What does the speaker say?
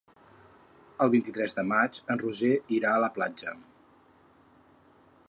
El vint-i-tres de maig en Roger irà a la platja.